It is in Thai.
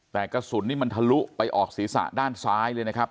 แต่กระสุนนี่มันทะลุไปออกศีรษะด้านซ้ายเลยนะครับ